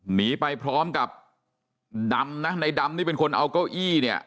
หนีไปพร้อมกับดำนะในดำนี่เป็นคนเอาเก้าอี้เนี่ย